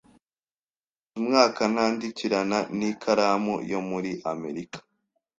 Mumaze umwaka nandikirana n'ikaramu yo muri Amerika.